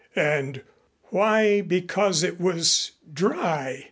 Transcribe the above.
And why because it was dry?